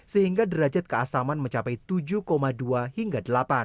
sehingga derajat keasaman mencapai tujuh dua hingga delapan